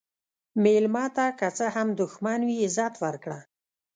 مېلمه ته که څه هم دښمن وي، عزت ورکړه.